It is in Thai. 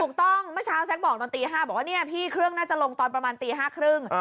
ถูกต้องเมื่อเช้าแซ็กบอกตอนลงตอนตีห้าครึ่ง